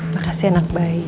makasih anak bayi